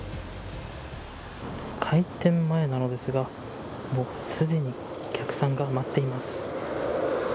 開店前なのですが、すでにお客さんが待っています。